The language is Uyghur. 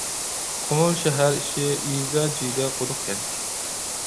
قومۇل شەھەر ئىچى يېزا جىگدە قۇدۇق كەنت.